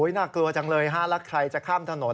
หนักกลัวจังเลยรักใครจะข้ามถนน